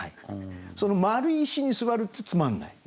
その丸い石に座るとつまんない。